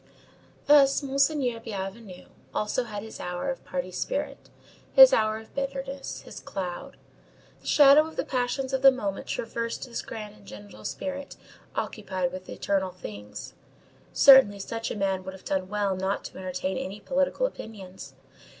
Thus Monseigneur Bienvenu also had his hour of party spirit, his hour of bitterness, his cloud. The shadow of the passions of the moment traversed this grand and gentle spirit occupied with eternal things. Certainly, such a man would have done well not to entertain any political opinions.